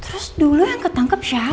terus dulu yang ketangkep siapa